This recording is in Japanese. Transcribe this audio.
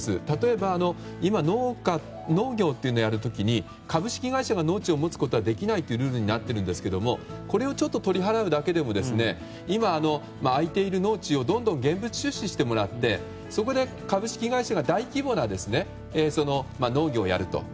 例えば今農業というのをやる時に株式会社が農地を持つことはできないというルールになっているんですがこれを取り払うだけでも今、空いている農地をどんどん現物出資してもらってそこで株式会社が大規模な農業をやる。